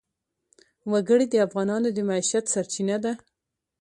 وګړي د افغانانو د معیشت سرچینه ده.